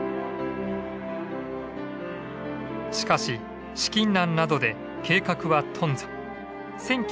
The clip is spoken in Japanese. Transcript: しかし資金難などで計画は頓挫。